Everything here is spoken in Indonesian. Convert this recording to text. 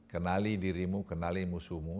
kenali dirimu kenali musuhmu